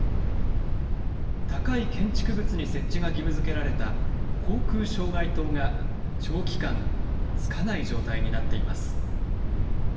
高い建築物に設置が義務づけられた航空障害灯が長期間、つかない状態になっています。